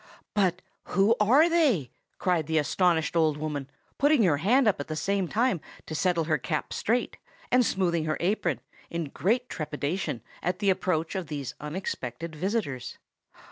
"But who are they?" cried the astonished old woman, putting her hand up at the same time to settle her cap straight, and smoothing her apron, in great trepidation at the approach of these unexpected visitors.